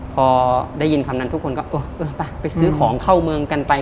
พอได้ยินคำนั้นทุกคนก็เออไปไปซื้อของเข้าเมืองกันไป